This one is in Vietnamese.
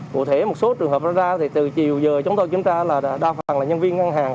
cụ thể một số trường hợp ra thì từ chiều giờ chúng tôi kiểm tra là đa phần là nhân viên ngân hàng